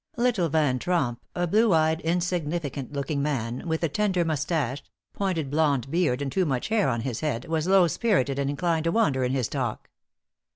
Little Van Tromp, a blue eyed, insignificant looking man, with a tender mustache, pointed blond beard and too much hair on his head, was lowspirited and inclined to wander in his talk.